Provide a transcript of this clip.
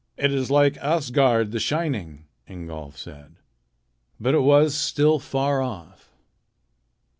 "It is like Asgard the Shining," Ingolf said. But it was still far off.